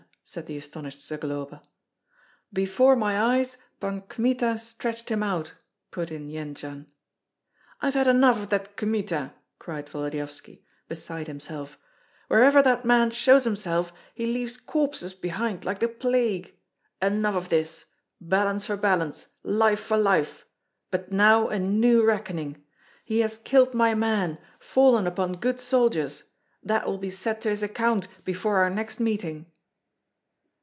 said the astonished Zagloba. "Before my eyes Pan Kmita stretched him out," put in Jendzian. "I've had enough of that Kmita!" cried Volodyovski, beside himself; "wherever that man shows himself he leaves corpses behind, like the plague. Enough of this! Balance for balance, life for life; but now a new reckoning! He has killed my men, fallen upon good soldiers; that will be set to his account before our next meeting."